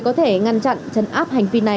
có thể ngăn chặn chấn áp hành vi này